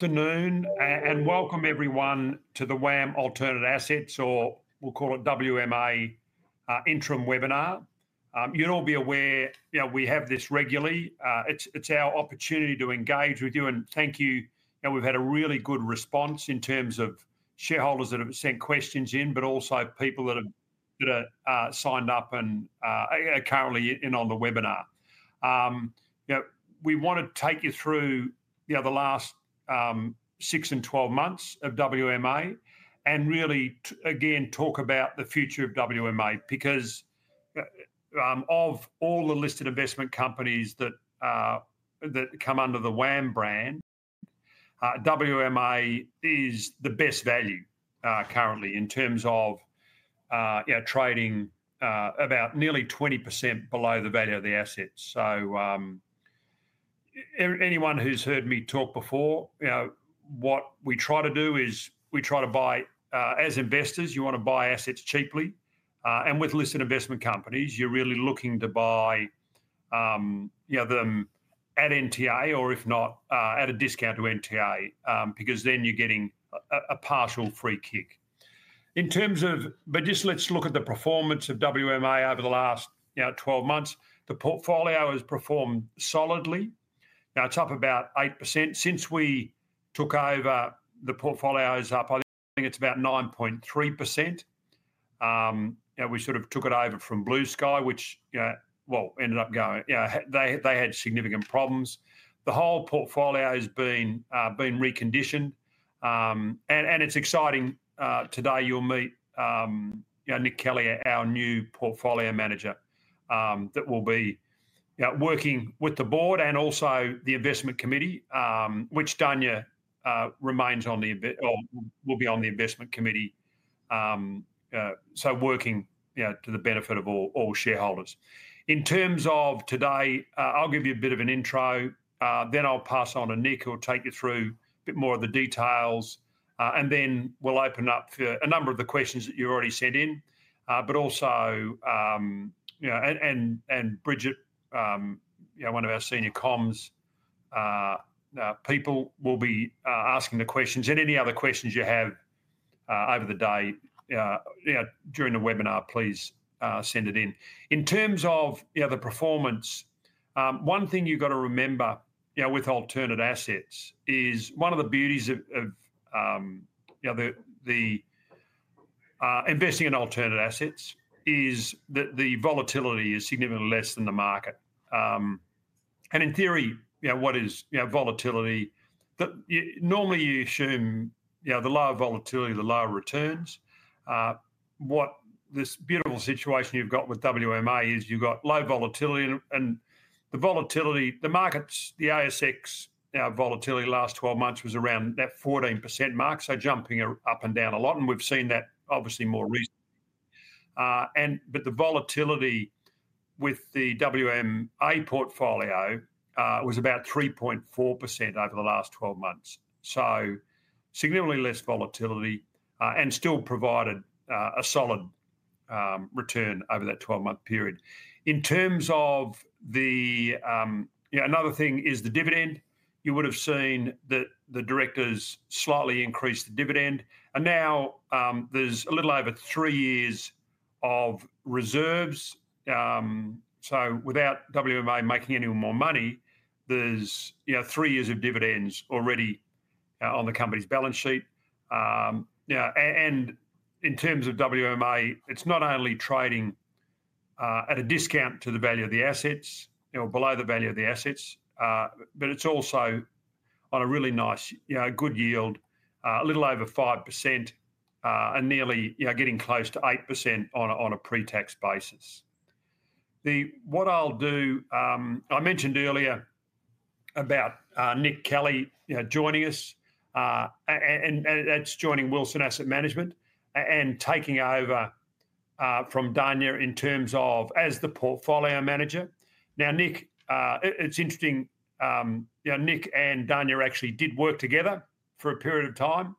Afternoon, and welcome everyone to the WAM Alternative Assets, or we'll call it WMA Interim Webinar. You'll all be aware, you know, we have this regularly. It's our opportunity to engage with you, and thank you. We've had a really good response in terms of shareholders that have sent questions in, but also people that have signed up and are currently in on the webinar. We want to take you through the last 6 and 12 months of WMA and really, again, talk about the future of WMA because of all the listed investment companies that come under the WAM brand, WMA is the best value currently in terms of trading about nearly 20% below the value of the assets. So anyone who's heard me talk before, what we try to do is we try to buy, as investors, you want to buy assets cheaply. With listed investment companies, you're really looking to buy them at NTA or, if not, at a discount to NTA because then you're getting a partial free kick. In terms of, but just let's look at the performance of WMA over the last 12 months. The portfolio has performed solidly. It's up about 8%. Since we took over, the portfolio is up, I think it's about 9.3%. We sort of took it over from Blue Sky, which, well, ended up going, they had significant problems. The whole portfolio has been reconditioned. It's exciting. Today you'll meet Nick Kelly, our new portfolio manager, that will be working with the board and also the investment committee, which Dania remains on, will be on the investment committee. Working to the benefit of all shareholders. In terms of today, I'll give you a bit of an intro, then I'll pass on to Nick, who will take you through a bit more of the details. Then we'll open up for a number of the questions that you've already sent in, but also, Bridget, one of our senior comms people, will be asking the questions. Any other questions you have over the day during the webinar, please send it in. In terms of the performance, one thing you've got to remember with alternative assets is one of the beauties of investing in alternative assets is that the volatility is significantly less than the market. In theory, what is volatility? Normally you assume the lower volatility, the lower returns. What this beautiful situation you've got with WMA is you've got low volatility and the volatility, the markets, the ASX volatility last 12 months was around that 14% mark, jumping up and down a lot. We've seen that obviously more recently. The volatility with the WMA portfolio was about 3.4% over the last 12 months. Significantly less volatility and still provided a solid return over that 12-month period. In terms of the, another thing is the dividend. You would have seen that the directors slightly increased the dividend. Now there's a little over three years of reserves. Without WMA making any more money, there's three years of dividends already on the company's balance sheet. In terms of WMA, it's not only trading at a discount to the value of the assets or below the value of the assets, but it's also on a really nice, good yield, a little over 5% and nearly getting close to 8% on a pre-tax basis. What I'll do, I mentioned earlier about Nick Kelly joining us and that's joining Wilson Asset Management and taking over from Dania in terms of as the portfolio manager. Now, Nick, it's interesting, Nick and Dania actually did work together for a period of time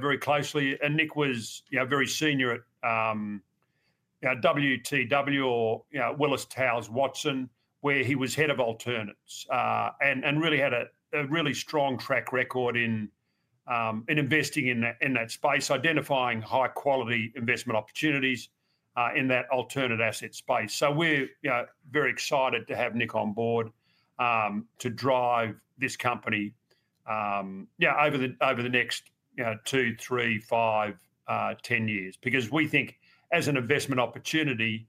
very closely. Nick was very senior at Willis Towers Watson, where he was head of alternatives and really had a really strong track record in investing in that space, identifying high-quality investment opportunities in that alternative asset space. We're very excited to have Nick on board to drive this company over the next two, three, five, ten years because we think as an investment opportunity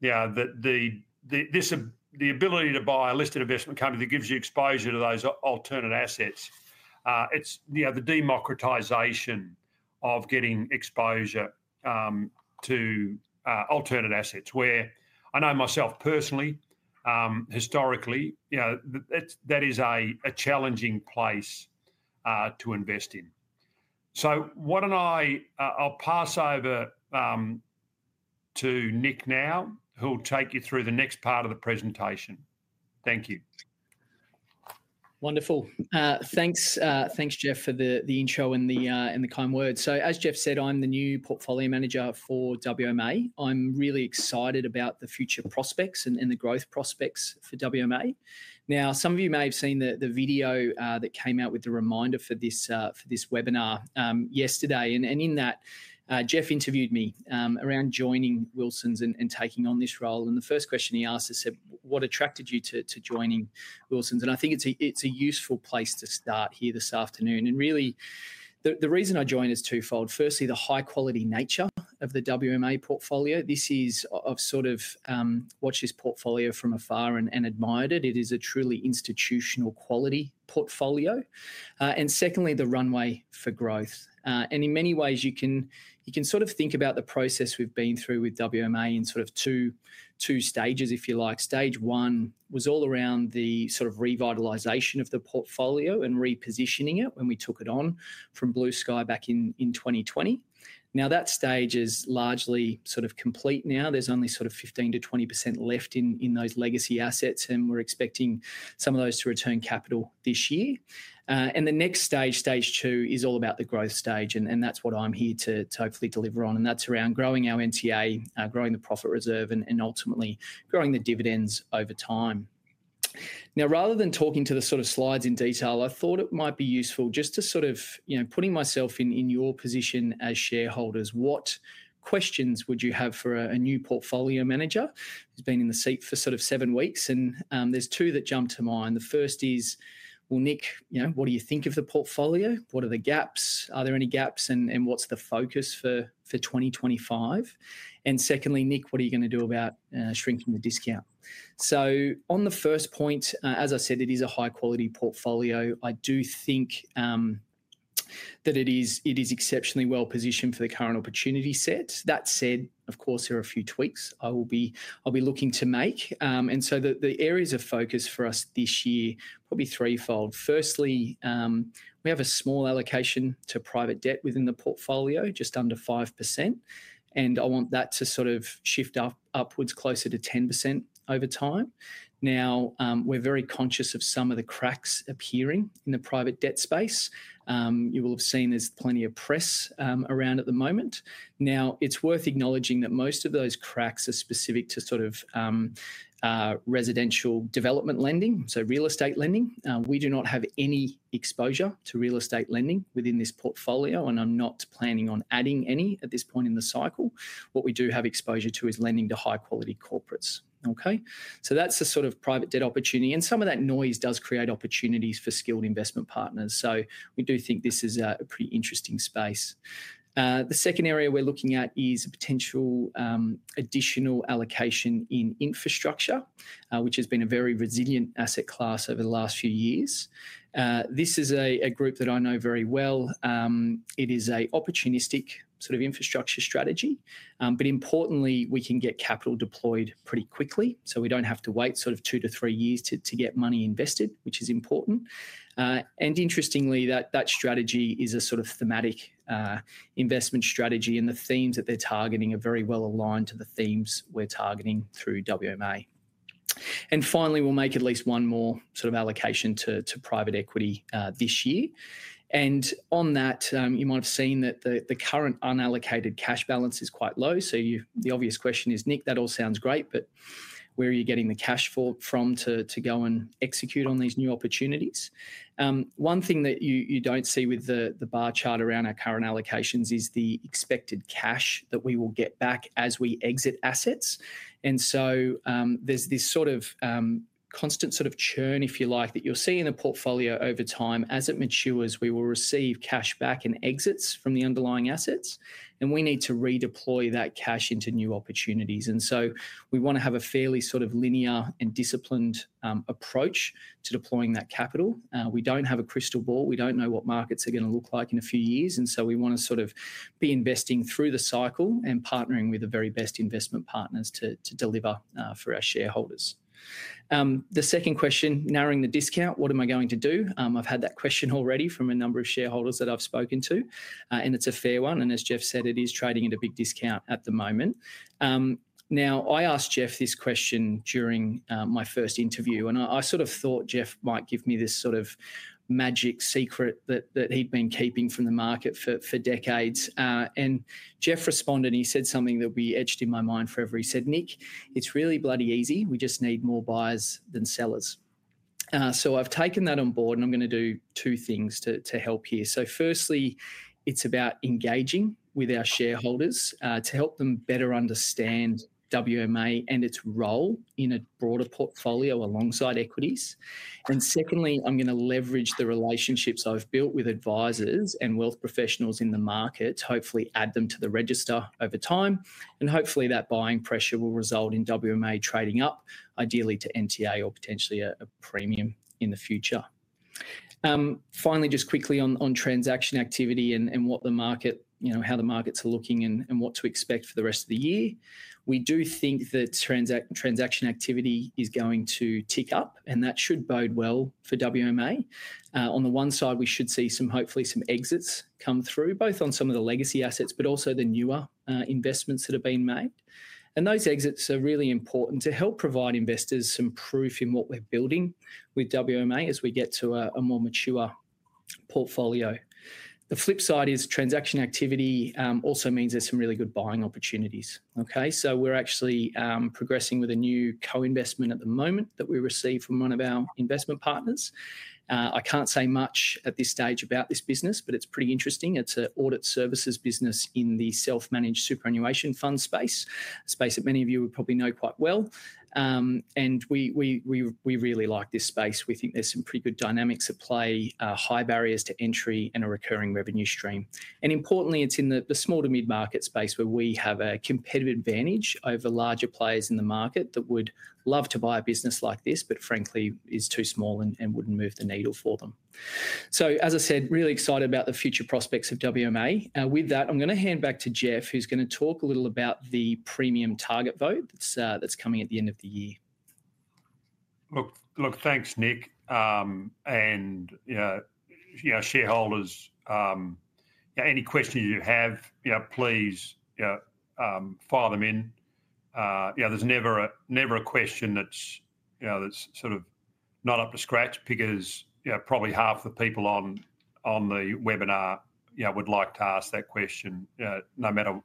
that the ability to buy a listed investment company that gives you exposure to those alternative assets, it's the democratization of getting exposure to alternative assets where I know myself personally, historically, that is a challenging place to invest in. Why don't I pass over to Nick now, who will take you through the next part of the presentation. Thank you. Wonderful. Thanks, Geoff, for the intro and the kind words. As Geoff said, I'm the new portfolio manager for WMA. I'm really excited about the future prospects and the growth prospects for WMA. Some of you may have seen the video that came out with the reminder for this webinar yesterday. In that, Geoff interviewed me around joining Wilson Asset Management and taking on this role. The first question he asked was, what attracted you to joining Wilson Asset Management? I think it's a useful place to start here this afternoon. Really, the reason I joined is twofold. Firstly, the high-quality nature of the WMA portfolio. I have sort of watched this portfolio from afar and admired it. It is a truly institutional quality portfolio. Secondly, the runway for growth. In many ways, you can sort of think about the process we've been through with WMA in sort of two stages, if you like. Stage one was all around the sort of revitalization of the portfolio and repositioning it when we took it on from Blue Sky back in 2020. That stage is largely sort of complete now. There's only sort of 15%-20% left in those legacy assets. We're expecting some of those to return capital this year. The next stage, stage two, is all about the growth stage. That's what I'm here to hopefully deliver on. That's around growing our NTA, growing the profit reserve, and ultimately growing the dividends over time. Rather than talking to the sort of slides in detail, I thought it might be useful just to sort of put myself in your position as shareholders. What questions would you have for a new portfolio manager who's been in the seat for sort of seven weeks? There's two that jump to mind. The first is, well, Nick, what do you think of the portfolio? What are the gaps? Are there any gaps? What's the focus for 2025? Secondly, Nick, what are you going to do about shrinking the discount? On the first point, as I said, it is a high-quality portfolio. I do think that it is exceptionally well positioned for the current opportunity set. That said, of course, there are a few tweaks I will be looking to make. The areas of focus for us this year will be threefold. Firstly, we have a small allocation to private debt within the portfolio, just under 5%. I want that to sort of shift upwards closer to 10% over time. Now, we're very conscious of some of the cracks appearing in the private debt space. You will have seen there's plenty of press around at the moment. It's worth acknowledging that most of those cracks are specific to sort of residential development lending, so real estate lending. We do not have any exposure to real estate lending within this portfolio. I'm not planning on adding any at this point in the cycle. What we do have exposure to is lending to high-quality corporates. Okay? That's the sort of private debt opportunity. Some of that noise does create opportunities for skilled investment partners. We do think this is a pretty interesting space. The second area we're looking at is a potential additional allocation in infrastructure, which has been a very resilient asset class over the last few years. This is a group that I know very well. It is an opportunistic sort of infrastructure strategy. Importantly, we can get capital deployed pretty quickly. We do not have to wait two to three years to get money invested, which is important. Interestingly, that strategy is a sort of thematic investment strategy. The themes that they are targeting are very well aligned to the themes we are targeting through WMA. Finally, we will make at least one more sort of allocation to private equity this year. On that, you might have seen that the current unallocated cash balance is quite low. The obvious question is, Nick, that all sounds great, but where are you getting the cash from to go and execute on these new opportunities? One thing that you do not see with the bar chart around our current allocations is the expected cash that we will get back as we exit assets. There is this sort of constant sort of churn, if you like, that you will see in the portfolio over time. As it matures, we will receive cash back and exits from the underlying assets. We need to redeploy that cash into new opportunities. We want to have a fairly sort of linear and disciplined approach to deploying that capital. We do not have a crystal ball. We do not know what markets are going to look like in a few years. We want to sort of be investing through the cycle and partnering with the very best investment partners to deliver for our shareholders. The second question, narrowing the discount, what am I going to do? I've had that question already from a number of shareholders that I've spoken to. It is a fair one. As Geoff said, it is trading at a big discount at the moment. I asked Geoff this question during my first interview. I sort of thought Geoff might give me this sort of magic secret that he'd been keeping from the market for decades. Geoff responded. He said something that will be etched in my mind forever. He said, "Nick, it's really bloody easy. We just need more buyers than sellers." I have taken that on board. I'm going to do two things to help here. Firstly, it's about engaging with our shareholders to help them better understand WMA and its role in a broader portfolio alongside equities. Secondly, I'm going to leverage the relationships I've built with advisors and wealth professionals in the market, hopefully add them to the register over time. Hopefully that buying pressure will result in WMA trading up, ideally to NTA or potentially a premium in the future. Finally, just quickly on transaction activity and how the markets are looking and what to expect for the rest of the year. We do think that transaction activity is going to tick up. That should bode well for WMA. On the one side, we should see hopefully some exits come through, both on some of the legacy assets, but also the newer investments that have been made. Those exits are really important to help provide investors some proof in what we're building with WMA as we get to a more mature portfolio. The flip side is transaction activity also means there's some really good buying opportunities. Okay? We're actually progressing with a new co-investment at the moment that we received from one of our investment partners. I can't say much at this stage about this business, but it's pretty interesting. It's an audit services business in the self-managed superannuation fund space, a space that many of you would probably know quite well. We really like this space. We think there's some pretty good dynamics at play, high barriers to entry, and a recurring revenue stream. Importantly, it's in the small to mid-market space where we have a competitive advantage over larger players in the market that would love to buy a business like this, but frankly is too small and wouldn't move the needle for them. As I said, really excited about the future prospects of WMA. With that, I'm going to hand back to Geoff, who's going to talk a little about the Premium Target vote that's coming at the end of the year. Look, thanks, Nick. Shareholders, any questions you have, please fire them in. There's never a question that's sort of not up to scratch because probably half the people on the webinar would like to ask that question no matter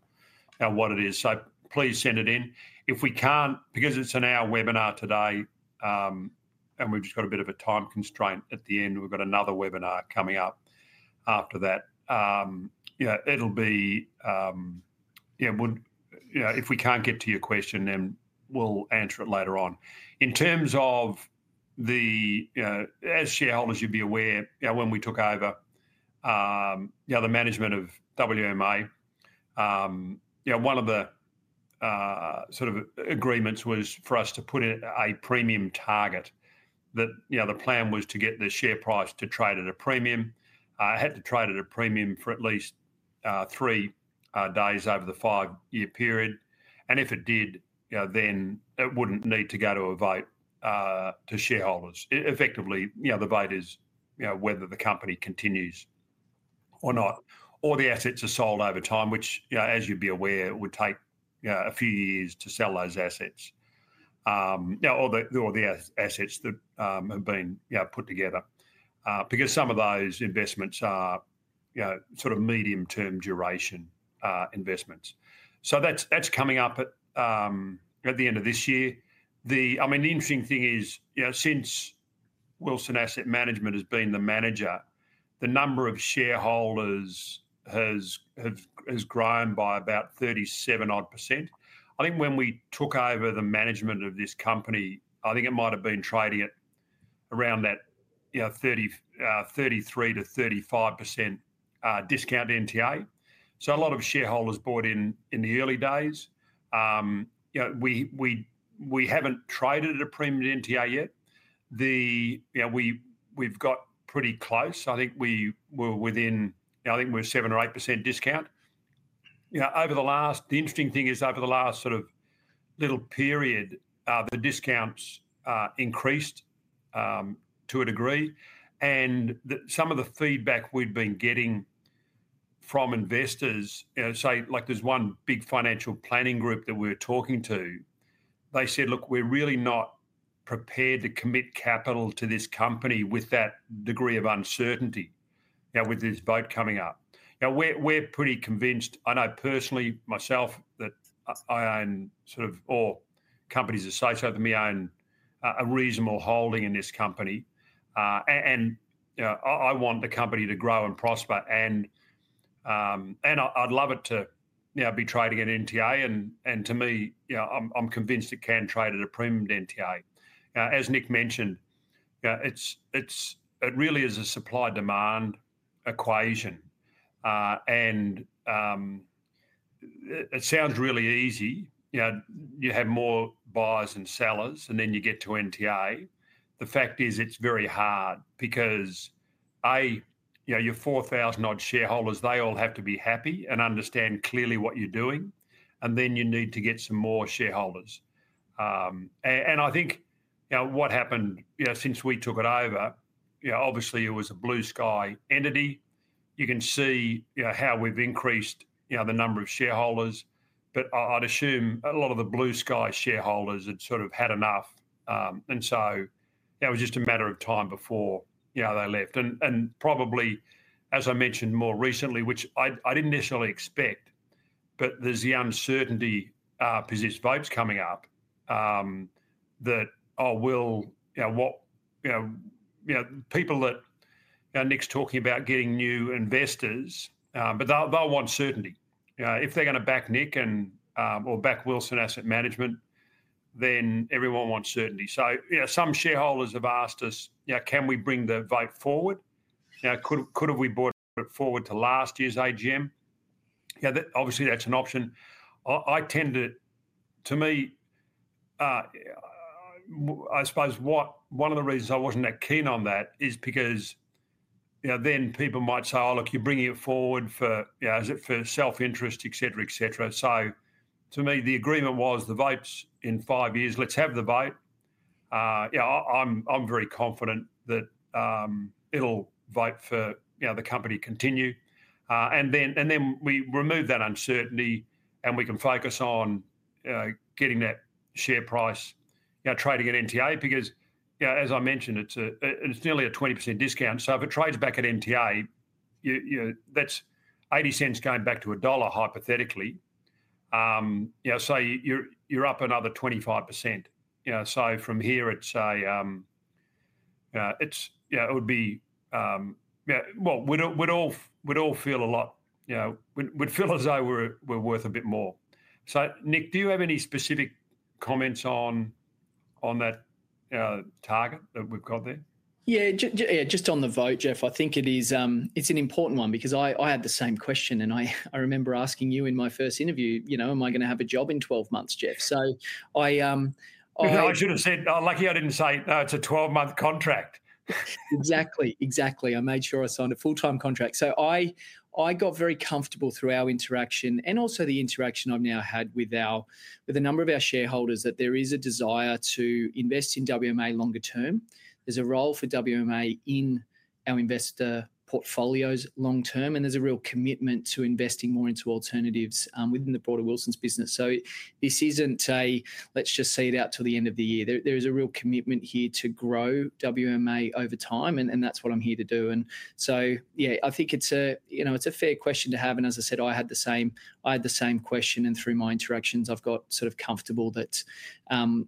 what it is. Please send it in. If we can't, because it's an hour webinar today and we've just got a bit of a time constraint at the end, we've got another webinar coming up after that. If we can't get to your question, then we'll answer it later on. In terms of the, as shareholders you'll be aware, when we took over the management of WMA, one of the sort of agreements was for us to put in a Premium Target. The plan was to get the share price to trade at a premium. It had to trade at a premium for at least three days over the five-year period. If it did, then it would not need to go to a vote to shareholders. Effectively, the vote is whether the company continues or not, or the assets are sold over time, which, as you will be aware, would take a few years to sell those assets or the assets that have been put together because some of those investments are sort of medium-term duration investments. That is coming up at the end of this year. I mean, the interesting thing is since Wilson Asset Management has been the manager, the number of shareholders has grown by about 37-odd %. I think when we took over the management of this company, I think it might have been trading at around that 33%-35% discount NTA. A lot of shareholders bought in in the early days. We have not traded at a premium NTA yet. We have got pretty close. I think we were within, I think we were 7% or 8% discount. Over the last, the interesting thing is over the last sort of little period, the discount has increased to a degree. Some of the feedback we had been getting from investors, like there is one big financial planning group that we were talking to, they said, "Look, we are really not prepared to commit capital to this company with that degree of uncertainty with this vote coming up." We are pretty convinced. I know personally, myself, that I own sort of, or companies associated with me own a reasonable holding in this company. I want the company to grow and prosper. I would love it to now be trading at NTA. To me, I'm convinced it can trade at a premium NTA. As Nick mentioned, it really is a supply-demand equation. It sounds really easy. You have more buyers than sellers, and then you get to NTA. The fact is it's very hard because your 4,000-odd shareholders, they all have to be happy and understand clearly what you're doing. You need to get some more shareholders. I think what happened since we took it over, obviously, it was a Blue Sky entity. You can see how we've increased the number of shareholders. I'd assume a lot of the Blue Sky shareholders had sort of had enough. It was just a matter of time before they left. Probably, as I mentioned more recently, which I didn't necessarily expect, but there's the uncertainty because this vote's coming up that I will, what people that Nick's talking about getting new investors, but they'll want certainty. If they're going to back Nick or back Wilson Asset Management, then everyone wants certainty. Some shareholders have asked us, "Can we bring the vote forward? Could we have brought it forward to last year's AGM?" Obviously, that's an option. I tend to, to me, I suppose one of the reasons I wasn't that keen on that is because then people might say, "Oh, look, you're bringing it forward for self-interest," etc., etc. To me, the agreement was the vote's in five years, let's have the vote. I'm very confident that it'll vote for the company to continue. We remove that uncertainty and we can focus on getting that share price trading at NTA because, as I mentioned, it's nearly a 20% discount. If it trades back at NTA, that's 80 cents going back to a dollar, hypothetically. You're up another 25%. From here, we'd all feel a lot, we'd feel as though we're worth a bit more. Nick, do you have any specific comments on that target that we've got there? Yeah, just on the vote, Geoff, I think it's an important one because I had the same question. I remember asking you in my first interview, "Am I going to have a job in 12 months, Geoff?" I. I should have said, "Lucky, I didn't say it's a 12-month contract. Exactly. Exactly. I made sure I signed a full-time contract. I got very comfortable through our interaction and also the interaction I've now had with a number of our shareholders that there is a desire to invest in WMA longer term. There is a role for WMA in our investor portfolios long term. There is a real commitment to investing more into alternatives within the broader Wilson's business. This is not a, "Let's just say it out till the end of the year." There is a real commitment here to grow WMA over time. That is what I'm here to do. I think it's a fair question to have. As I said, I had the same question. Through my interactions, I've got sort of comfortable that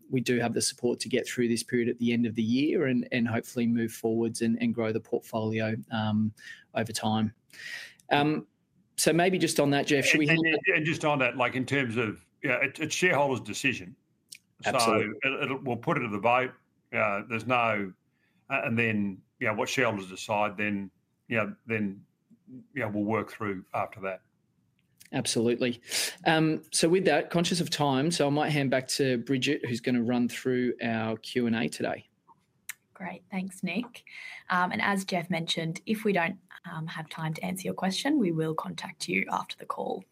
we do have the support to get through this period at the end of the year and hopefully move forwards and grow the portfolio over time. Maybe just on that, Geoff, should we hand. Just on that, like in terms of it's shareholders' decision. We'll put it at the vote. What shareholders decide, then we'll work through after that. Absolutely. With that, conscious of time, I might hand back to Bridget, who's going to run through our Q&A today. Great. Thanks, Nick. As Geoff mentioned, if we don't have time to answer your question, we will contact you after the call.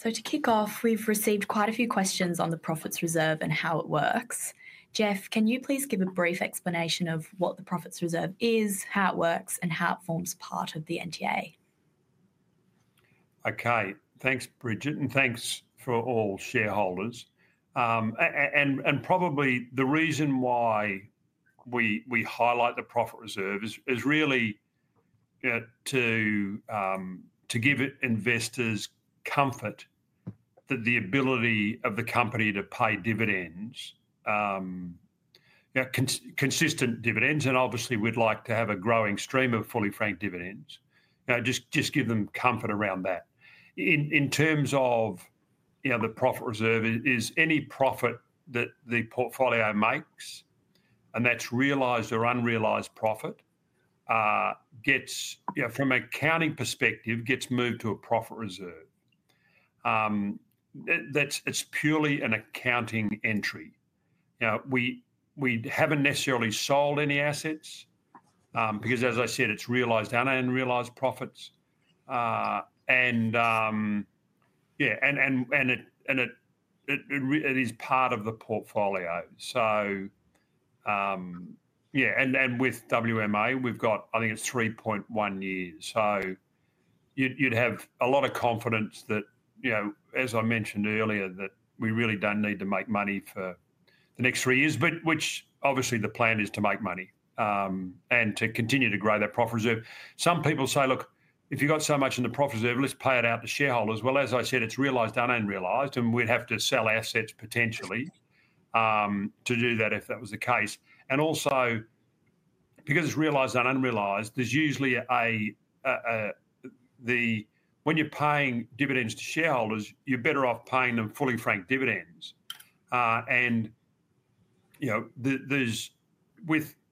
To kick off, we've received quite a few questions on the profits reserve and how it works. Geoff, can you please give a brief explanation of what the profits reserve is, how it works, and how it forms part of the NTA? Okay. Thanks, Bridget. And thanks for all shareholders. Probably the reason why we highlight the profit reserve is really to give investors comfort that the ability of the company to pay dividends, consistent dividends. Obviously, we'd like to have a growing stream of fully franked dividends. Just give them comfort around that. In terms of the profit reserve, it is any profit that the portfolio makes, and that's realized or unrealized profit, from an accounting perspective, gets moved to a profit reserve. It's purely an accounting entry. We haven't necessarily sold any assets because, as I said, it's realized and unrealized profits. It is part of the portfolio. With WMA, we've got, I think it's 3.1 years. You'd have a lot of confidence that, as I mentioned earlier, we really don't need to make money for the next three years, which obviously the plan is to make money and to continue to grow that profit reserve. Some people say, "Look, if you've got so much in the profit reserve, let's pay it out to shareholders." As I said, it's realized and unrealized. We'd have to sell assets potentially to do that if that was the case. Also, because it's realized and unrealized, there's usually a, when you're paying dividends to shareholders, you're better off paying them fully franked dividends. If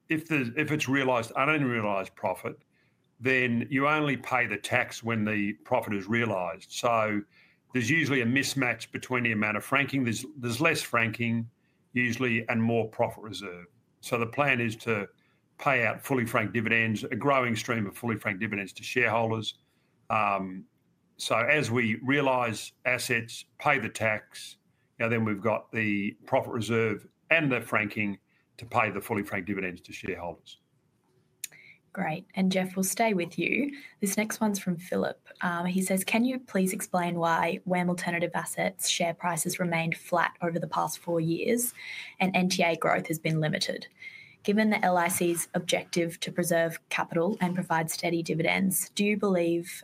it's realized and unrealized profit, then you only pay the tax when the profit is realized. There's usually a mismatch between the amount of franking. There's less franking usually and more profit reserve. The plan is to pay out fully franked dividends, a growing stream of fully franked dividends to shareholders. As we realize assets, pay the tax, then we've got the profit reserve and the franking to pay the fully franked dividends to shareholders. Great. Geoff, we'll stay with you. This next one's from Philip. He says, "Can you please explain why WAM Alternative Assets share price has remained flat over the past four years and NTA growth has been limited? Given the LIC's objective to preserve capital and provide steady dividends, do you believe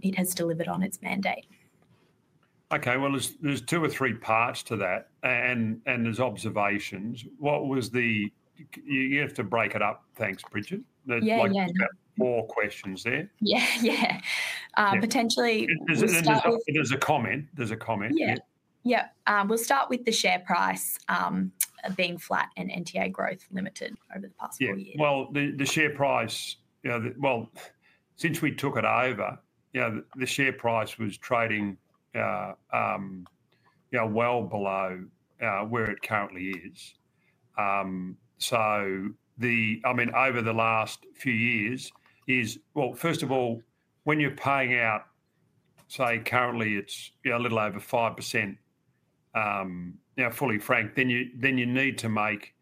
it has delivered on its mandate? Okay. There are two or three parts to that. There are observations. You have to break it up. Thanks, Bridget. There are more questions there. Yeah. Yeah. Potentially. There's a comment. There's a comment. Yeah. Yeah. We'll start with the share price being flat and NTA growth limited over the past four years. Yeah. The share price, well, since we took it over, the share price was trading well below where it currently is. I mean, over the last few years, first of all, when you're paying out, say, currently it's a little over 5% fully franked, then you need to make,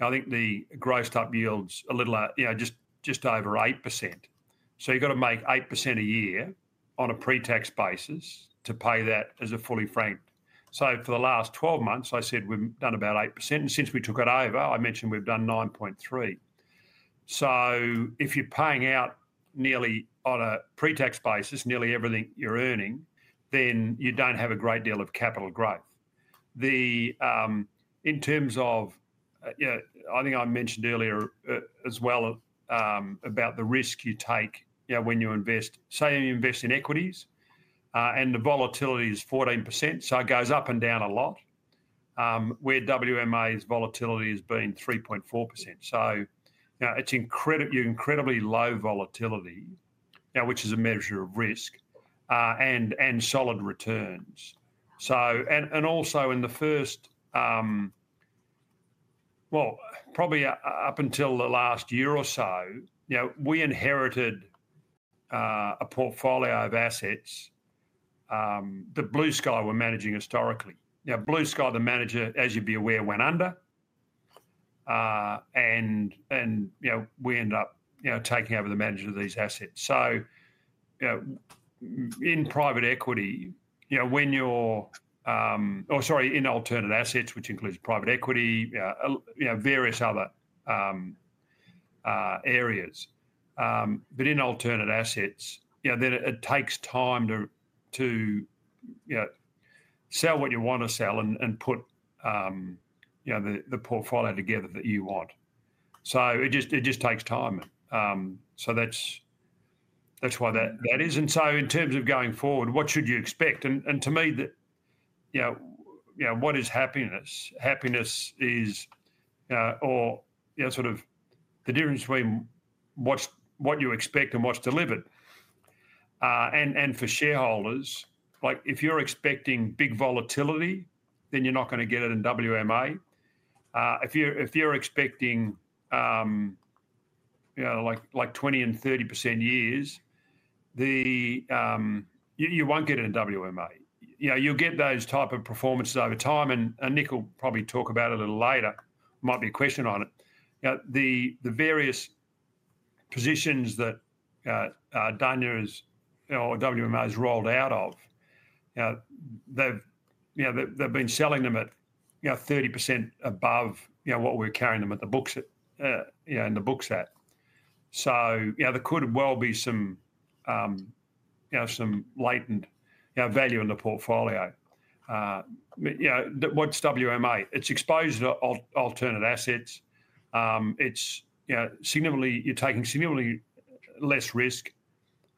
I think the grossed-up yield is a little just over 8%. You have to make 8% a year on a pre-tax basis to pay that as a fully franked. For the last 12 months, I said we've done about 8%. Since we took it over, I mentioned we've done 9.3%. If you're paying out nearly on a pre-tax basis, nearly everything you're earning, then you don't have a great deal of capital growth. In terms of, I think I mentioned earlier as well about the risk you take when you invest, say you invest in equities and the volatility is 14%, so it goes up and down a lot, where WMA's volatility has been 3.4%. It is incredibly low volatility, which is a measure of risk and solid returns. Also, in the first, probably up until the last year or so, we inherited a portfolio of assets that Blue Sky were managing historically. Blue Sky, the manager, as you'd be aware, went under. We ended up taking over the management of these assets. In private equity, or sorry, in alternative assets, which includes private equity, various other areas. In alternative assets, it takes time to sell what you want to sell and put the portfolio together that you want. It just takes time. That is why that is. In terms of going forward, what should you expect? To me, what is happiness? Happiness is, or sort of the difference between what you expect and what is delivered. For shareholders, if you're expecting big volatility, then you're not going to get it in WMA. If you're expecting like 20% and 30% years, you won't get it in WMA. You'll get those types of performances over time. Nick will probably talk about it a little later. Might be a question on it. The various positions that Dania or WMA has rolled out of, they've been selling them at 30% above what we're carrying them in the books at. There could well be some latent value in the portfolio. What's WMA? It's exposure to alternative assets. You're taking significantly less risk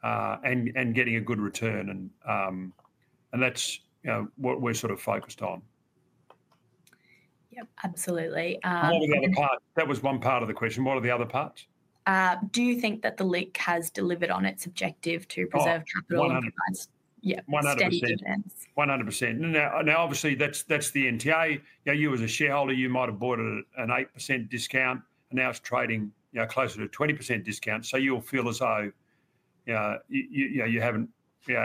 and getting a good return. That is what we're sort of focused on. Yep. Absolutely. What are the other parts? That was one part of the question. What are the other parts? Do you think that the LIC has delivered on its objective to preserve capital and provide steady dividends? 100%. 100%. Now, obviously, that's the NTA. You, as a shareholder, you might have bought at an 8% discount. Now it's trading closer to a 20% discount. You will feel as though it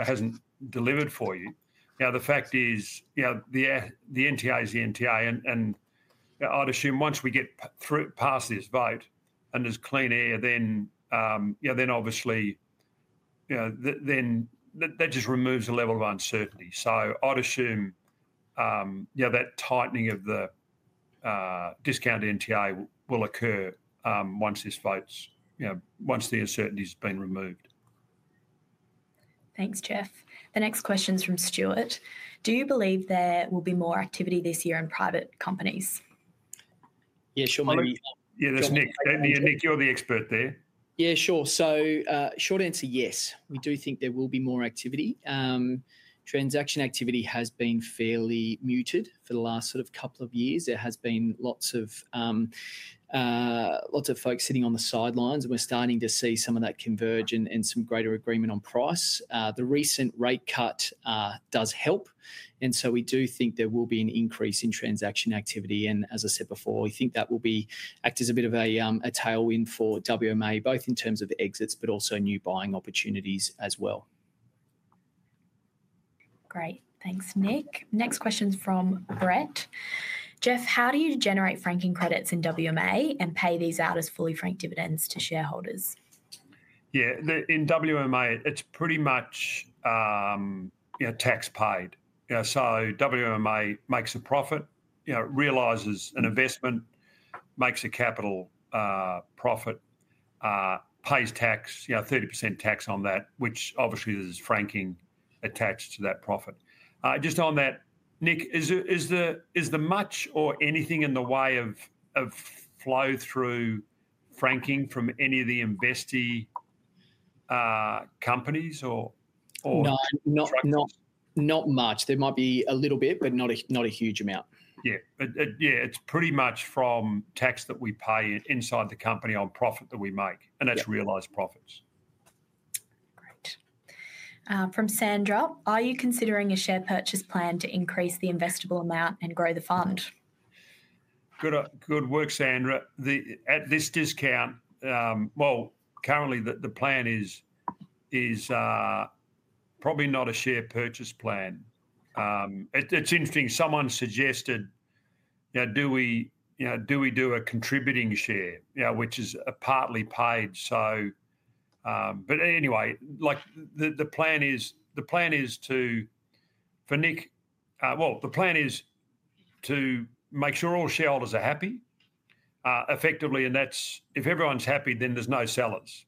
hasn't delivered for you. Now, the fact is the NTA is the NTA. I would assume once we get past this vote and there is clean air, that just removes a level of uncertainty. I would assume that tightening of the discount to NTA will occur once the uncertainty has been removed. Thanks, Geoff. The next question's from Stuart. Do you believe there will be more activity this year in private companies? Yeah, sure. Yeah, that's Nick. Nick, you're the expert there. Yeah, sure. Short answer, yes. We do think there will be more activity. Transaction activity has been fairly muted for the last sort of couple of years. There has been lots of folks sitting on the sidelines. We're starting to see some of that converge and some greater agreement on price. The recent rate cut does help. We do think there will be an increase in transaction activity. As I said before, we think that will act as a bit of a tailwind for WMA, both in terms of exits, but also new buying opportunities as well. Great. Thanks, Nick. Next question's from Brett. Geoff, how do you generate franking credits in WMA and pay these out as fully franked dividends to shareholders? Yeah. In WMA, it's pretty much tax paid. So WMA makes a profit, realizes an investment, makes a capital profit, pays tax, 30% tax on that, which obviously there's franking attached to that profit. Just on that, Nick, is there much or anything in the way of flow-through franking from any of the investee companies or? No, not much. There might be a little bit, but not a huge amount. Yeah. Yeah. It's pretty much from tax that we pay inside the company on profit that we make. And that's realized profits. Great. From Sandra, "Are you considering a share purchase plan to increase the investable amount and grow the fund? Good work, Sandra. At this discount, currently, the plan is probably not a share purchase plan. It's interesting. Someone suggested, "Do we do a contributing share?" which is partly paid. Anyway, the plan is to, for Nick, the plan is to make sure all shareholders are happy effectively. If everyone's happy, then there's no sellers.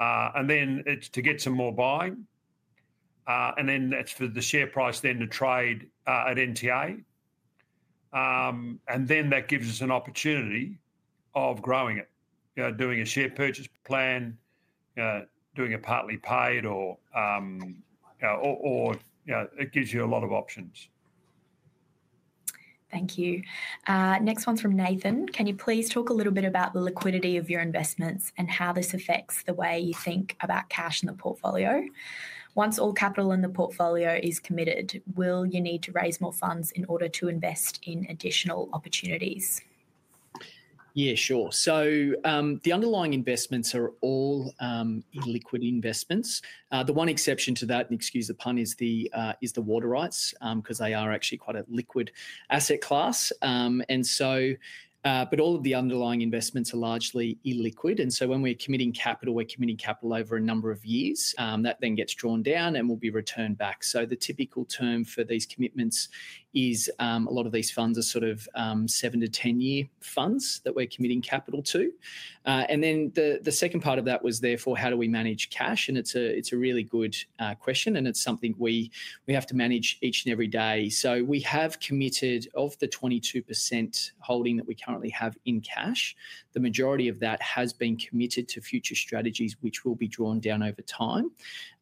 Then it's to get some more buying. That is for the share price to trade at NTA. That gives us an opportunity of growing it, doing a share purchase plan, doing a partly paid, or it gives you a lot of options. Thank you. Next one's from Nathan. "Can you please talk a little bit about the liquidity of your investments and how this affects the way you think about cash in the portfolio? Once all capital in the portfolio is committed, will you need to raise more funds in order to invest in additional opportunities? Yeah, sure. The underlying investments are all liquid investments. The one exception to that, and excuse the pun, is the water rights because they are actually quite a liquid asset class. All of the underlying investments are largely illiquid. When we're committing capital, we're committing capital over a number of years. That then gets drawn down and will be returned back. The typical term for these commitments is a lot of these funds are sort of 7-10 year funds that we're committing capital to. The second part of that was, therefore, how do we manage cash? It's a really good question. It's something we have to manage each and every day. We have committed, of the 22% holding that we currently have in cash, the majority of that has been committed to future strategies, which will be drawn down over time.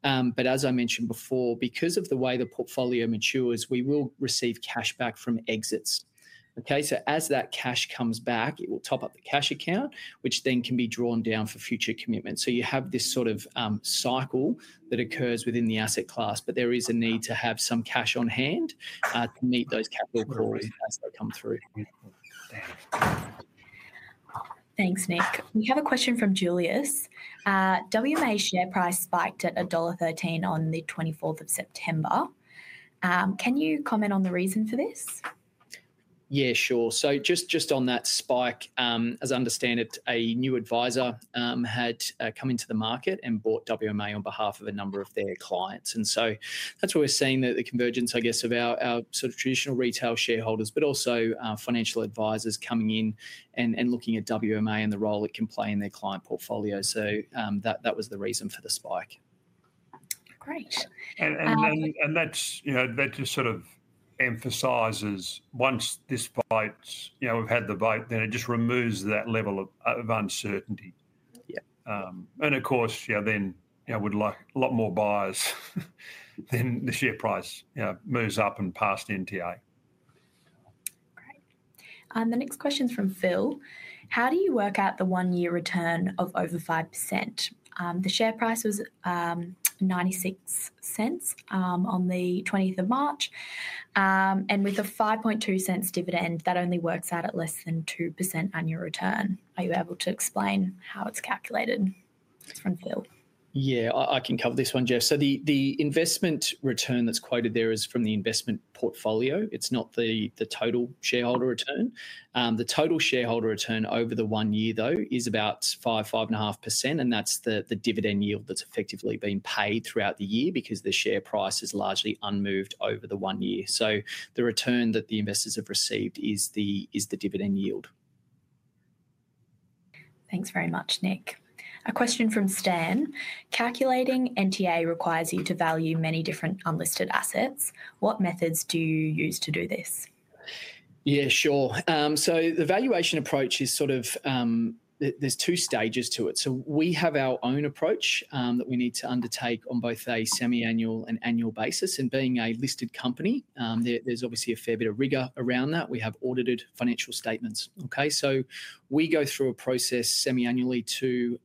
As I mentioned before, because of the way the portfolio matures, we will receive cash back from exits. Okay? As that cash comes back, it will top up the cash account, which then can be drawn down for future commitments. You have this sort of cycle that occurs within the asset class, but there is a need to have some cash on hand to meet those capital calls as they come through. Thanks, Nick. We have a question from Julius. "WAM share price spiked at $1.13 on the 24th of September. Can you comment on the reason for this? Yeah, sure. Just on that spike, as I understand it, a new advisor had come into the market and bought WMA on behalf of a number of their clients. That is why we're seeing the convergence, I guess, of our sort of traditional retail shareholders, but also financial advisors coming in and looking at WMA and the role it can play in their client portfolio. That was the reason for the spike. Great. That just sort of emphasizes once this spikes, we've had the vote, then it just removes that level of uncertainty. Of course, then we'd like a lot more buyers than the share price moves up and past NTA. Great. The next question's from Phil. "How do you work out the one-year return of over 5%? The share price was $0.96 on the 20th of March. And with a $0.052 dividend, that only works out at less than 2% annual return. Are you able to explain how it's calculated?" That's from Phil. Yeah, I can cover this one, Geoff. The investment return that's quoted there is from the investment portfolio. It's not the total shareholder return. The total shareholder return over the one year, though, is about 5-5.5%. That's the dividend yield that's effectively been paid throughout the year because the share price has largely unmoved over the one year. The return that the investors have received is the dividend yield. Thanks very much, Nick. A question from Stan. "Calculating NTA requires you to value many different unlisted assets. What methods do you use to do this? Yeah, sure. The valuation approach is sort of there's two stages to it. We have our own approach that we need to undertake on both a semi-annual and annual basis. Being a listed company, there's obviously a fair bit of rigor around that. We have audited financial statements. Okay? We go through a process semi-annually to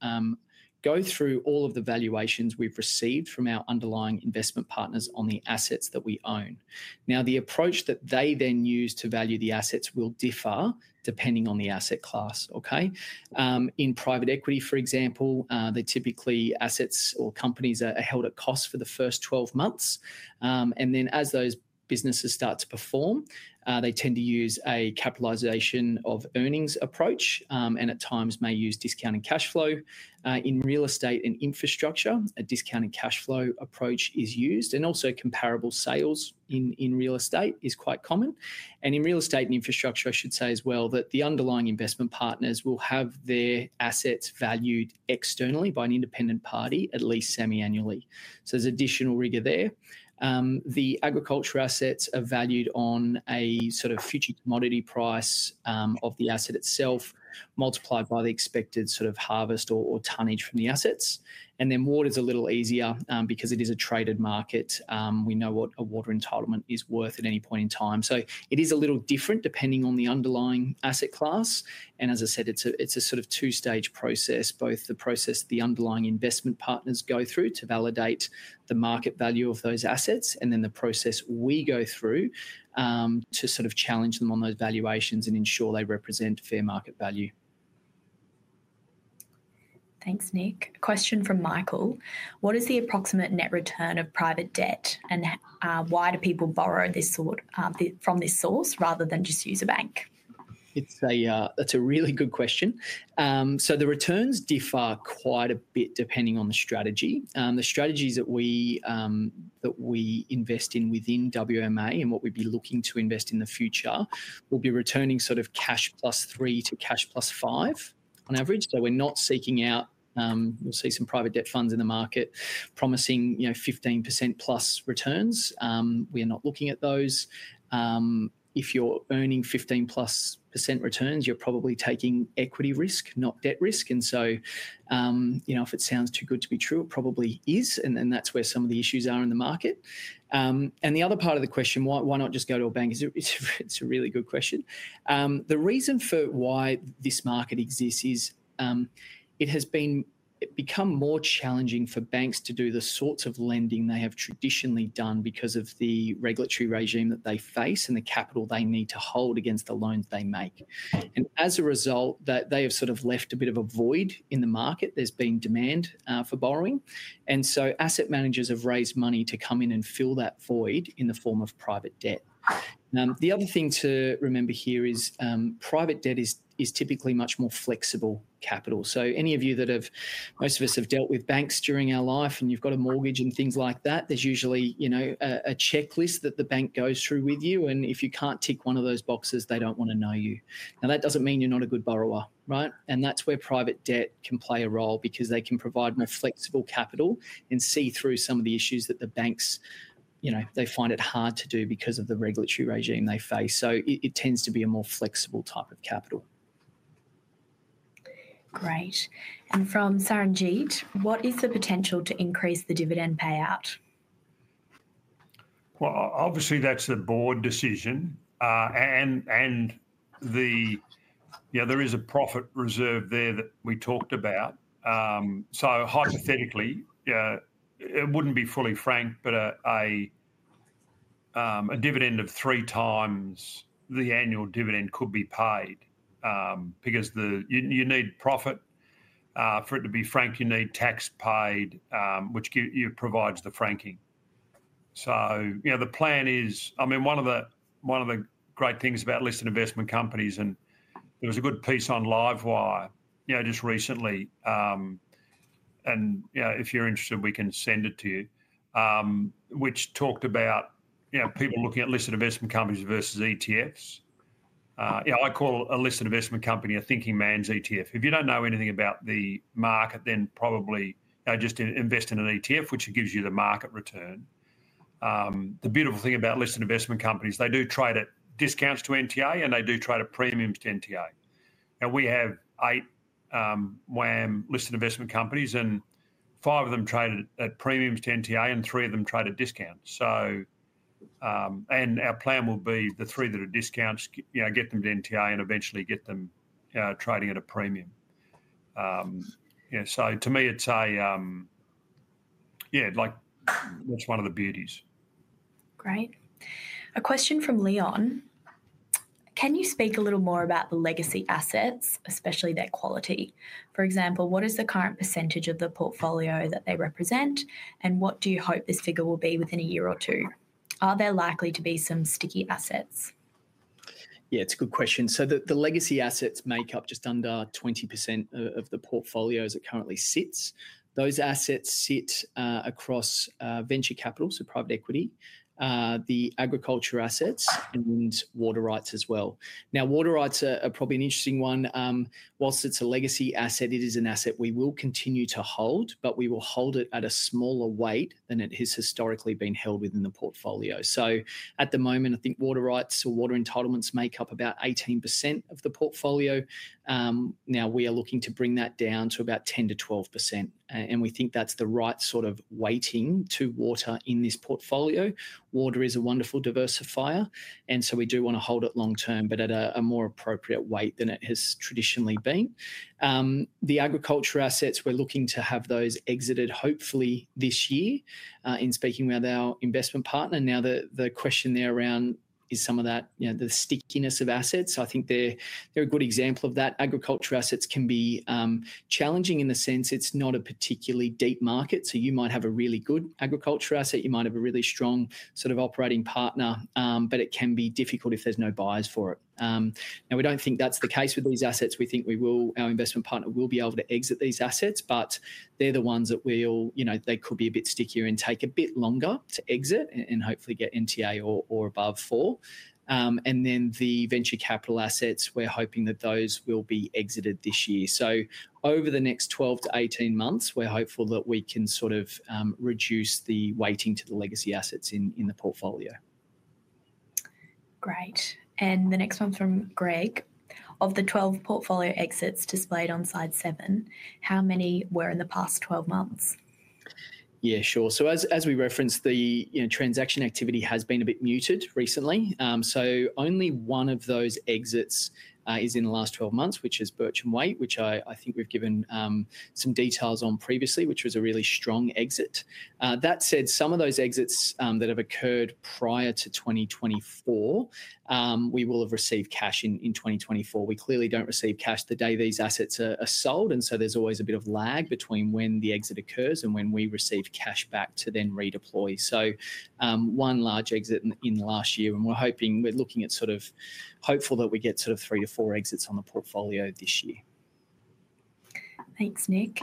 go through all of the valuations we've received from our underlying investment partners on the assets that we own. The approach that they then use to value the assets will differ depending on the asset class. Okay? In private equity, for example, they typically assets or companies are held at cost for the first 12 months. As those businesses start to perform, they tend to use a capitalization of earnings approach and at times may use discounting cash flow. In real estate and infrastructure, a discounting cash flow approach is used. Also, comparable sales in real estate is quite common. In real estate and infrastructure, I should say as well, that the underlying investment partners will have their assets valued externally by an independent party at least semi-annually. There is additional rigor there. The agriculture assets are valued on a sort of future commodity price of the asset itself multiplied by the expected sort of harvest or tonnage from the assets. Water is a little easier because it is a traded market. We know what a water entitlement is worth at any point in time. It is a little different depending on the underlying asset class. As I said, it's a sort of two-stage process, both the process the underlying investment partners go through to validate the market value of those assets and then the process we go through to sort of challenge them on those valuations and ensure they represent fair market value. Thanks, Nick. A question from Michael. "What is the approximate net return of private debt? And why do people borrow from this source rather than just use a bank? That's a really good question. The returns differ quite a bit depending on the strategy. The strategies that we invest in within WMA and what we'd be looking to invest in the future will be returning sort of cash plus 3 to cash plus 5 on average. We are not seeking out, you'll see some private debt funds in the market promising 15% plus returns. We are not looking at those. If you're earning 15% plus returns, you're probably taking equity risk, not debt risk. If it sounds too good to be true, it probably is. That's where some of the issues are in the market. The other part of the question, why not just go to a bank? It's a really good question. The reason for why this market exists is it has become more challenging for banks to do the sorts of lending they have traditionally done because of the regulatory regime that they face and the capital they need to hold against the loans they make. As a result, they have sort of left a bit of a void in the market. There's been demand for borrowing. Asset managers have raised money to come in and fill that void in the form of private debt. The other thing to remember here is private debt is typically much more flexible capital. Any of you that have, most of us have dealt with banks during our life and you've got a mortgage and things like that, there's usually a checklist that the bank goes through with you. If you can't tick one of those boxes, they don't want to know you. That doesn't mean you're not a good borrower, right? That's where private debt can play a role because they can provide more flexible capital and see through some of the issues that the banks find it hard to do because of the regulatory regime they face. It tends to be a more flexible type of capital. Great. From Saranjit, "What is the potential to increase the dividend payout? Obviously, that's a board decision. There is a profit reserve there that we talked about. Hypothetically, it wouldn't be fully franked, but a dividend of three times the annual dividend could be paid because you need profit. For it to be franked, you need tax paid, which provides the franking. The plan is, I mean, one of the great things about listed investment companies, and there was a good piece on Livewire just recently. If you're interested, we can send it to you, which talked about people looking at listed investment companies versus ETFs. I call a listed investment company a thinking man's ETF. If you don't know anything about the market, then probably just invest in an ETF, which gives you the market return. The beautiful thing about listed investment companies, they do trade at discounts to NTA and they do trade at premiums to NTA. Now, we have eight WAM listed investment companies and five of them trade at premiums to NTA and three of them trade at discounts. Our plan will be the three that are discounts, get them to NTA and eventually get them trading at a premium. To me, it's a, yeah, that's one of the beauties. Great. A question from Leon. "Can you speak a little more about the legacy assets, especially their quality? For example, what is the current percentage of the portfolio that they represent? What do you hope this figure will be within a year or two? Are there likely to be some sticky assets? Yeah, it's a good question. The legacy assets make up just under 20% of the portfolio as it currently sits. Those assets sit across venture capital, private equity, the agriculture assets, and water rights as well. Now, water rights are probably an interesting one. Whilst it's a legacy asset, it is an asset we will continue to hold, but we will hold it at a smaller weight than it has historically been held within the portfolio. At the moment, I think water rights or water entitlements make up about 18% of the portfolio. We are looking to bring that down to about 10-12%. We think that's the right sort of weighting to water in this portfolio. Water is a wonderful diversifier. We do want to hold it long term, but at a more appropriate weight than it has traditionally been. The agriculture assets, we're looking to have those exited hopefully this year in speaking with our investment partner. Now, the question there around is some of that, the stickiness of assets. I think they're a good example of that. Agriculture assets can be challenging in the sense it's not a particularly deep market. You might have a really good agriculture asset. You might have a really strong sort of operating partner, but it can be difficult if there's no buyers for it. We don't think that's the case with these assets. We think our investment partner will be able to exit these assets, but they're the ones that they could be a bit stickier and take a bit longer to exit and hopefully get NTA or above for. The venture capital assets, we're hoping that those will be exited this year. Over the next 12 to 18 months, we're hopeful that we can sort of reduce the weighting to the legacy assets in the portfolio. Great. The next one from Greg. "Of the 12 portfolio exits displayed on slide seven, how many were in the past 12 months? Yeah, sure. As we referenced, the transaction activity has been a bit muted recently. Only one of those exits is in the last 12 months, which is Birch & Waite, which I think we've given some details on previously, which was a really strong exit. That said, some of those exits that have occurred prior to 2024, we will have received cash in 2024. We clearly don't receive cash the day these assets are sold. There is always a bit of lag between when the exit occurs and when we receive cash back to then redeploy. One large exit in the last year. We're looking at sort of hopeful that we get sort of three to four exits on the portfolio this year. Thanks, Nick.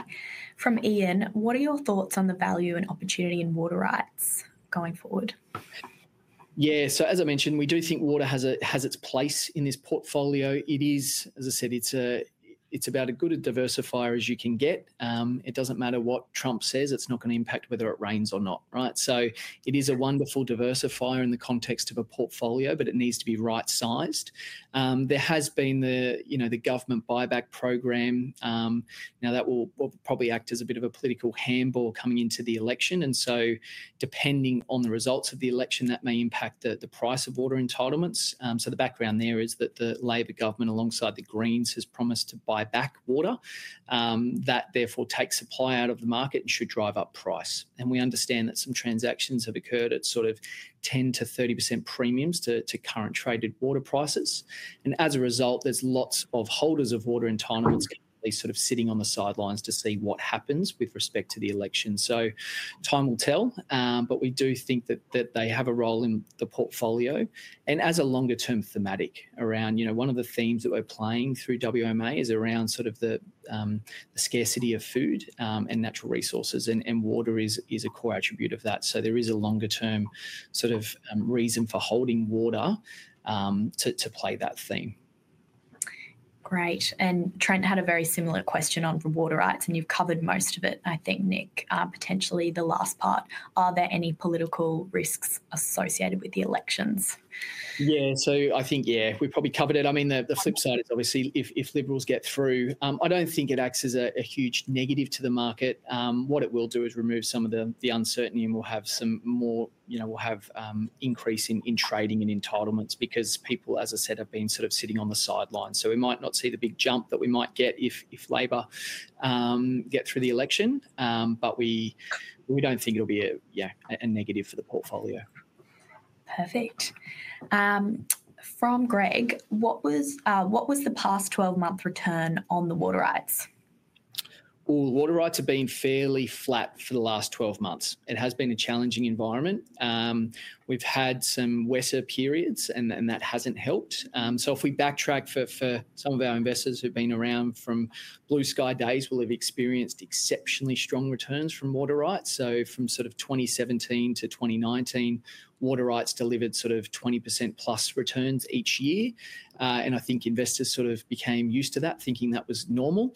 From Ian, "What are your thoughts on the value and opportunity in water rights going forward? Yeah. As I mentioned, we do think water has its place in this portfolio. It is, as I said, it's about as good a diversifier as you can get. It doesn't matter what Trump says. It's not going to impact whether it rains or not, right? It is a wonderful diversifier in the context of a portfolio, but it needs to be right-sized. There has been the government buyback program. That will probably act as a bit of a political handle coming into the election. Depending on the results of the election, that may impact the price of water entitlements. The background there is that the Labor government, alongside the Greens, has promised to buy back water. That therefore takes supply out of the market and should drive up price. We understand that some transactions have occurred at sort of 10-30% premiums to current traded water prices. As a result, there are lots of holders of water entitlements currently sort of sitting on the sidelines to see what happens with respect to the election. Time will tell. We do think that they have a role in the portfolio. As a longer-term thematic around one of the themes that we are playing through WMA is around sort of the scarcity of food and natural resources. Water is a core attribute of that. There is a longer-term sort of reason for holding water to play that theme. Great. Trent had a very similar question on water rights. You have covered most of it, I think, Nick, potentially the last part. Are there any political risks associated with the elections? Yeah. I think, yeah, we've probably covered it. I mean, the flip side is obviously if Liberals get through, I don't think it acts as a huge negative to the market. What it will do is remove some of the uncertainty and we'll have some more, we'll have an increase in trading and entitlements because people, as I said, have been sort of sitting on the sidelines. We might not see the big jump that we might get if Labor get through the election. We don't think it'll be a negative for the portfolio. Perfect. From Greg, "What was the past 12-month return on the water rights? Water rights have been fairly flat for the last 12 months. It has been a challenging environment. We've had some wetter periods and that hasn't helped. If we backtrack for some of our investors who've been around from Blue Sky days, they'll have experienced exceptionally strong returns from water rights. From 2017 to 2019, water rights delivered 20% plus returns each year. I think investors became used to that, thinking that was normal.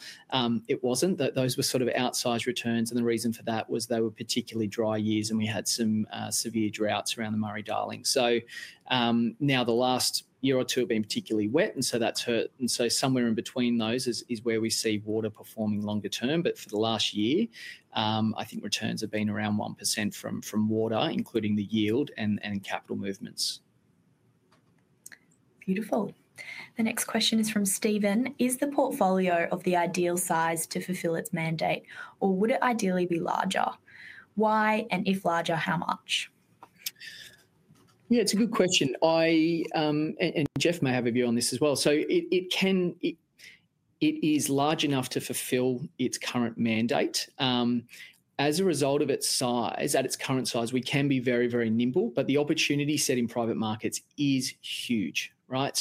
It wasn't. Those were outsized returns. The reason for that was they were particularly dry years and we had some severe droughts around the Murray-Darling. The last year or two have been particularly wet, and that's hurt. Somewhere in between those is where we see water performing longer term. For the last year, I think returns have been around 1% from water, including the yield and capital movements. Beautiful. The next question is from Steven. "Is the portfolio of the ideal size to fulfill its mandate or would it ideally be larger? Why and if larger, how much? Yeah, it's a good question. Geoff may have a view on this as well. It is large enough to fulfill its current mandate. As a result of its size, at its current size, we can be very, very nimble. The opportunity set in private markets is huge, right?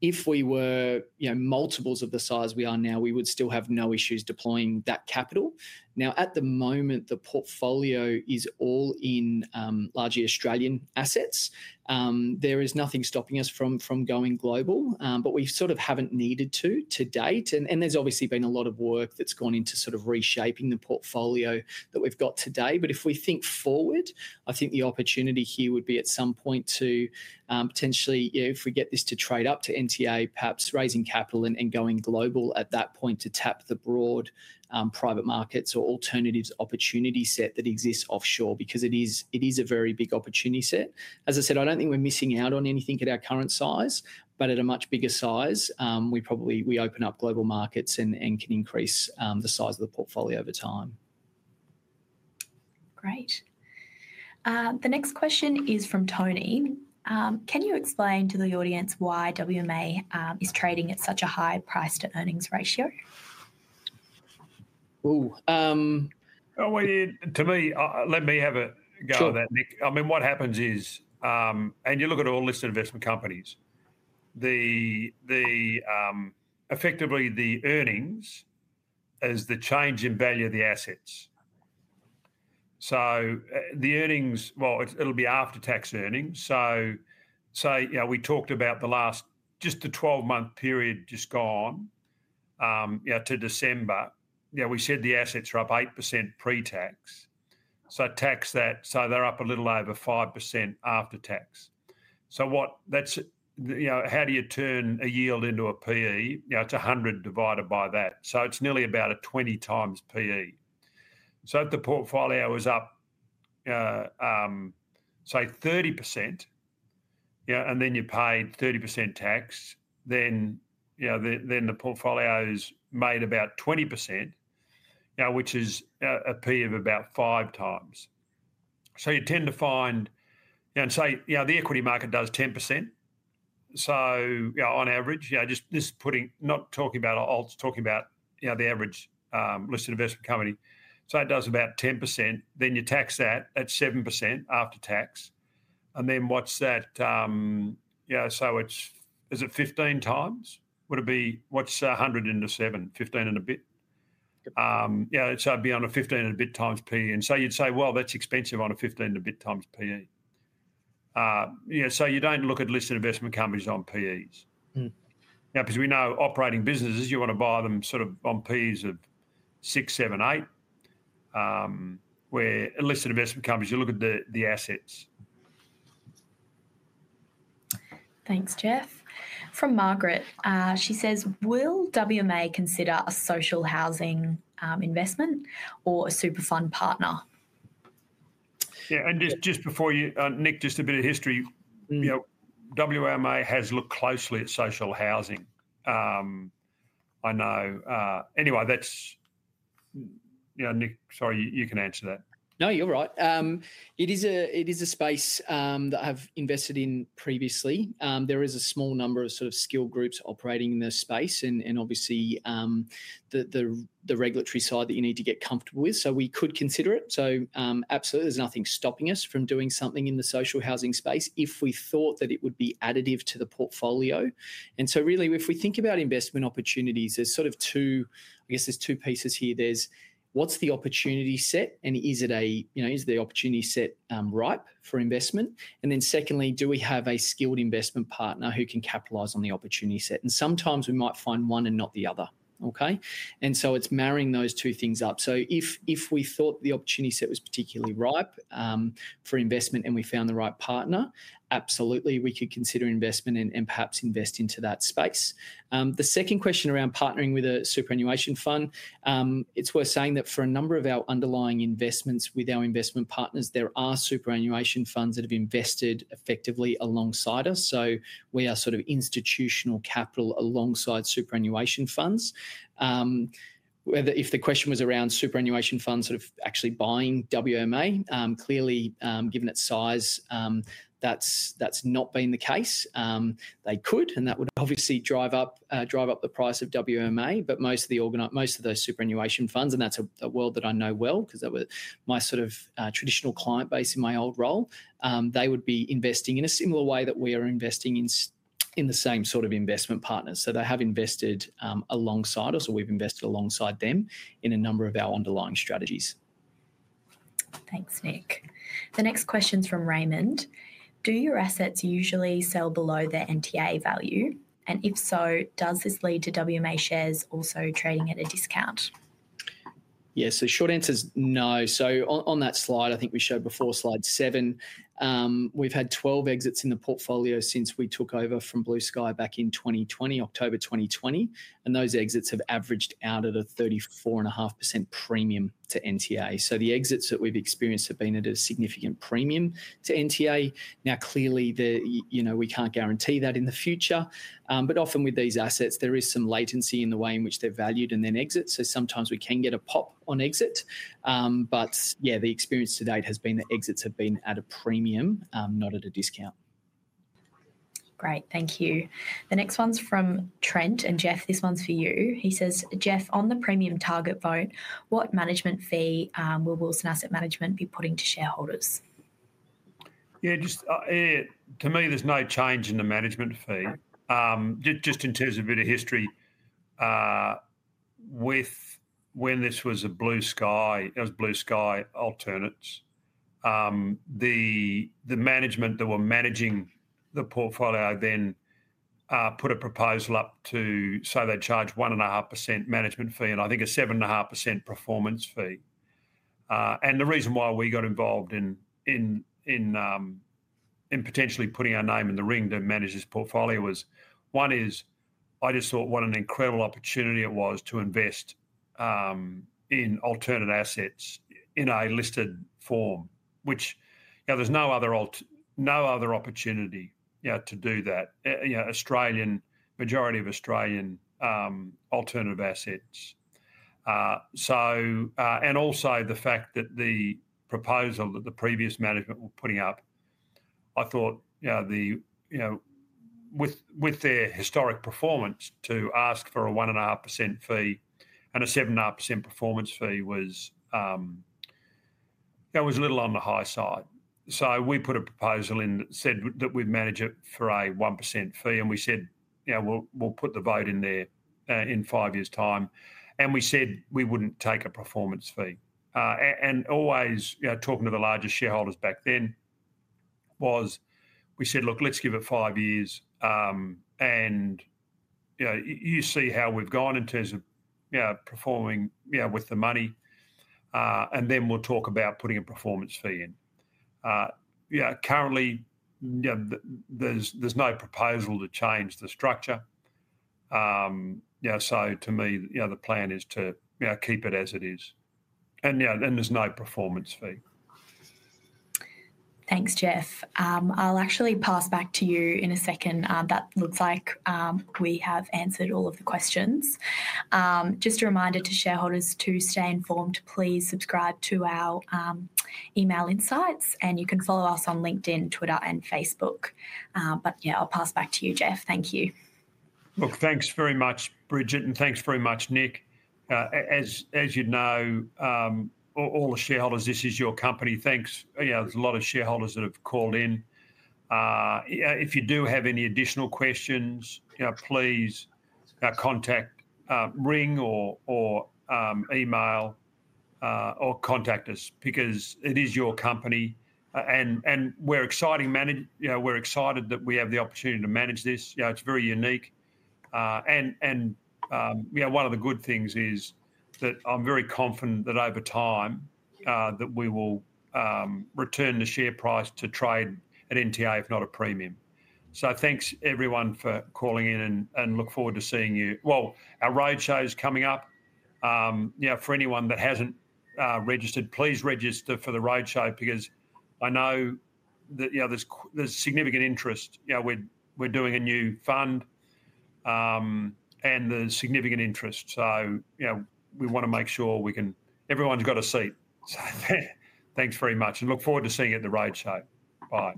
If we were multiples of the size we are now, we would still have no issues deploying that capital. At the moment, the portfolio is all in largely Australian assets. There is nothing stopping us from going global. We sort of haven't needed to to date. There has obviously been a lot of work that's gone into reshaping the portfolio that we've got today. If we think forward, I think the opportunity here would be at some point to potentially, if we get this to trade up to NTA, perhaps raising capital and going global at that point to tap the broad private markets or alternatives opportunity set that exists offshore because it is a very big opportunity set. As I said, I don't think we're missing out on anything at our current size. At a much bigger size, we open up global markets and can increase the size of the portfolio over time. Great. The next question is from Tony. "Can you explain to the audience why WMA is trading at such a high price-to-earnings ratio? Ooh. To me, let me have a go at that, Nick. I mean, what happens is, and you look at all listed investment companies, effectively the earnings is the change in value of the assets. So the earnings, well, it'll be after-tax earnings. We talked about the last, just the 12-month period just gone to December, we said the assets are up 8% pre-tax. Tax that, so they're up a little over 5% after-tax. How do you turn a yield into a PE? It's 100 divided by that. It's nearly about a 20 times PE. If the portfolio is up, say, 30%, and then you paid 30% tax, then the portfolio has made about 20%, which is a PE of about five times. You tend to find, and the equity market does 10%. On average, just not talking about alts, talking about the average listed investment company, it does about 10%. Then you tax that at 7% after-tax. And then what's that? Is it 15 times? What's 100 into 7? Fifteen and a bit. It would be on a fifteen and a bit times PE. You'd say, "Well, that's expensive on a fifteen and a bit times PE." You don't look at listed investment companies on PEs. Because we know operating businesses, you want to buy them sort of on PEs of six, seven, eight. Where listed investment companies, you look at the assets. Thanks, Geoff. From Margaret, she says, "Will WMA consider a social housing investment or a super fund partner? Yeah. Just before you, Nick, just a bit of history. WMA has looked closely at social housing. I know. Anyway, that's Nick, sorry, you can answer that. No, you're right. It is a space that I've invested in previously. There is a small number of sort of skilled groups operating in this space. Obviously, the regulatory side that you need to get comfortable with. We could consider it. Absolutely, there's nothing stopping us from doing something in the social housing space if we thought that it would be additive to the portfolio. If we think about investment opportunities, there's sort of two, I guess there's two pieces here. There's what's the opportunity set and is the opportunity set ripe for investment? Secondly, do we have a skilled investment partner who can capitalize on the opportunity set? Sometimes we might find one and not the other, okay? It's marrying those two things up. If we thought the opportunity set was particularly ripe for investment and we found the right partner, absolutely, we could consider investment and perhaps invest into that space. The second question around partnering with a superannuation fund, it's worth saying that for a number of our underlying investments with our investment partners, there are superannuation funds that have invested effectively alongside us. We are sort of institutional capital alongside superannuation funds. If the question was around superannuation funds actually buying WMA, clearly, given its size, that's not been the case. They could, and that would obviously drive up the price of WMA. Most of those superannuation funds, and that's a world that I know well because they were my sort of traditional client base in my old role, they would be investing in a similar way that we are investing in the same sort of investment partners. They have invested alongside us, or we've invested alongside them in a number of our underlying strategies. Thanks, Nick. The next question's from Raymond. "Do your assets usually sell below their NTA value? And if so, does this lead to WMA shares also trading at a discount? Yeah. Short answer is no. On that slide, I think we showed before, slide seven, we've had 12 exits in the portfolio since we took over from Blue Sky back in 2020, October 2020. Those exits have averaged out at a 34.5% premium to NTA. The exits that we've experienced have been at a significant premium to NTA. Now, clearly, we can't guarantee that in the future. Often with these assets, there is some latency in the way in which they're valued and then exit. Sometimes we can get a pop on exit. The experience to date has been that exits have been at a premium, not at a discount. Great. Thank you. The next one's from Trent. Geoff, this one's for you. He says, "Geoff, on the Premium Target vote, what management fee will Wilson Asset Management be putting to shareholders? Yeah. To me, there's no change in the management fee. Just in terms of a bit of history, when this was Blue Sky, it was Blue Sky Alternatives Access. The management that were managing the portfolio then put a proposal up to say they charge 1.5% management fee and I think a 7.5% performance fee. The reason why we got involved in potentially putting our name in the ring to manage this portfolio was one is I just thought what an incredible opportunity it was to invest in alternative assets in a listed form, which there's no other opportunity to do that, Australian majority of Australian alternative assets. Also the fact that the proposal that the previous management were putting up, I thought with their historic performance to ask for a 1.5% fee and a 7.5% performance fee was a little on the high side. We put a proposal in that said that we'd manage it for a 1% fee. We said, "We'll put the vote in there in five years' time." We said we wouldn't take a performance fee. Always talking to the largest shareholders back then was we said, "Look, let's give it five years. You see how we've gone in terms of performing with the money. Then we'll talk about putting a performance fee in." Currently, there's no proposal to change the structure. To me, the plan is to keep it as it is. There's no performance fee. Thanks, Geoff. I'll actually pass back to you in a second. That looks like we have answered all of the questions. Just a reminder to shareholders to stay informed, please subscribe to our email insights. You can follow us on LinkedIn, Twitter, and Facebook. Yeah, I'll pass back to you, Geoff. Thank you. Look, thanks very much, Bridget. And thanks very much, Nick. As you know, all the shareholders, this is your company. Thanks. There's a lot of shareholders that have called in. If you do have any additional questions, please contact, ring or email or contact us because it is your company. We're excited that we have the opportunity to manage this. It's very unique. One of the good things is that I'm very confident that over time that we will return the share price to trade at NTA, if not a premium. Thanks everyone for calling in and look forward to seeing you. Our roadshow is coming up. For anyone that hasn't registered, please register for the roadshow because I know that there's significant interest. We're doing a new fund and there's significant interest. We want to make sure we can everyone's got a seat. Thanks very much. I look forward to seeing you at the roadshow. Bye.